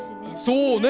そうね。